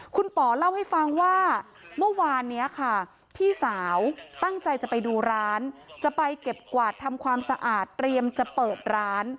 คุณป๋อเล่าให้ฟังว่าเมื่อวานนี้ค่ะพี่สาวตั้งใจจะไปดูร้านจะไปเก็บกวาดทำความสะอาดเตรียมจะเปิดร้าน